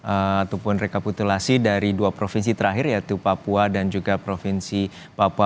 ataupun rekapitulasi dari dua provinsi terakhir yaitu papua dan juga provinsi papua